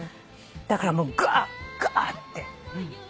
だからもうガーッガーッて。